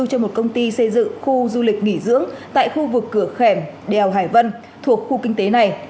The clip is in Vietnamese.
cho một công ty xây dựng khu du lịch nghỉ dưỡng tại khu vực cửa khẻm đèo hải vân thuộc khu kinh tế này